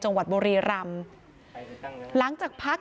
จังหวัดบุรีรำหลังจากพัก